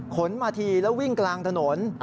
ขนมาทีแล้ววิ่งกลางถนน